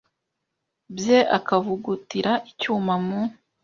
bye akavugutira icyuma mu